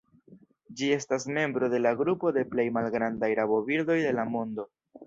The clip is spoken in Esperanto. Ĝi estas membro de la grupo de plej malgrandaj rabobirdoj de la mondo.